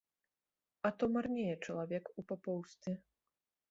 А то марнее чалавек у папоўстве.